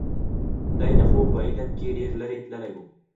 دی د خوب په عالم کې ډېر لرې تللی و.